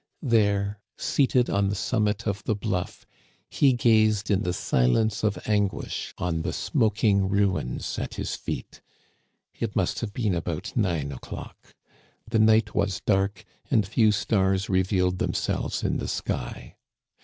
There, seated on the summit of the bluff, he gazed in the silence of anguish on the smoking ruins at his feet. It must have been about nine o'clock. The night was dark, and few stars revealed themselves in the sky.